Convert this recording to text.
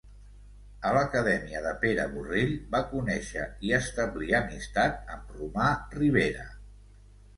A l'acadèmia de Pere Borrell va conèixer i establir amistat amb Romà Ribera.